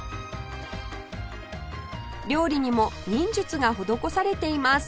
料理にも忍術が施されています